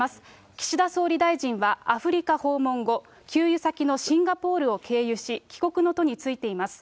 岸田総理大臣はアフリカ訪問後、給油先のシンガポールを経由し、帰国の途に就いています。